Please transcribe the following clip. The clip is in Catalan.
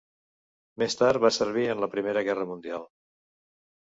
Més tard va servir en la Primera Guerra Mundial.